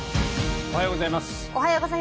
おはようございます。